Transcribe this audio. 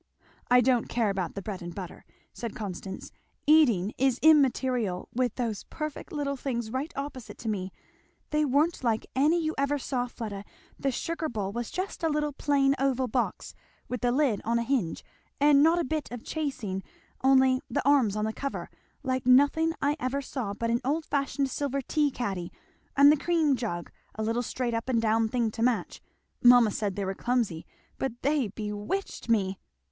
"I don't care about the bread and butter," said Constance; "eating is immaterial, with those perfect little things right opposite to me. They weren't like any you ever saw, Fleda the sugar bowl was just a little plain oval box, with the lid on a hinge, and not a bit of chasing, only the arms on the cover; like nothing I ever saw but an old fashioned silver tea caddy; and the cream jug a little straight up and down thing to match. Mamma said they were clumsy, but they bewitched me!